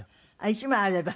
１枚あれば？